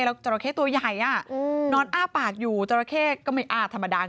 แล้วจราเข้ตัวใหญ่นอนอ้าปากอยู่จราเข้ก็ไม่อ้าธรรมดา